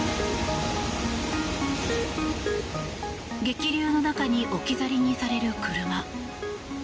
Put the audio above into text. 激流の中に置き去りにされる車。